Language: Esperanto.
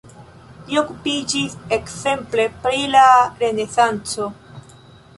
Li okupiĝis ekzemple pri la renesanco.